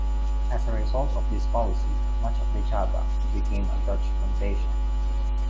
As a result of this policy, much of Java became a Dutch plantation.